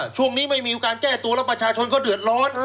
ช่วงนี้ไม่มีโอกาสแก้ตัวแล้วประชาชนเขาเดือดร้อน